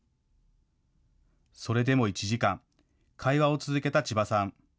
それでも１時間、会話を続けた千葉さん。